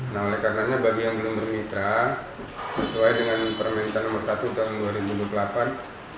nah oleh karenanya bagi yang belum bermitra sesuai dengan permintaan nomor satu tahun dua ribu dua puluh delapan